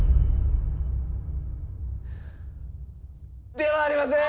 ではありません。